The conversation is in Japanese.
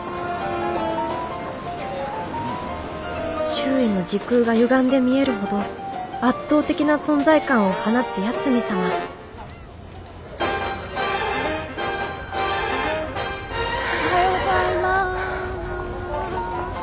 周囲の時空がゆがんで見えるほど圧倒的な存在感を放つ八海サマおはようございます。